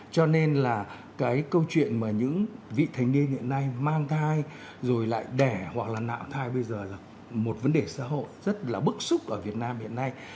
cho nên là câu chuyện những vị thành niên hiện nay mang thai rồi lại đẻ hoặc là nạo thai bây giờ là một vấn đề xã hội rất bức xúc ở việt nam hiện nay